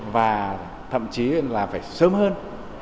và thậm chí là phải sớm hơn